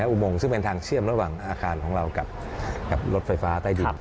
อุโมงซึ่งเป็นทางเชื่อมระหว่างอาคารของเรากับรถไฟฟ้าใต้ดิน